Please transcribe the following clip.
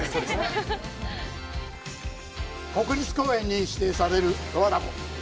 国立公園に指定される十和田湖。